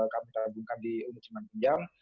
kami terhubungkan di unit ujiman pinjam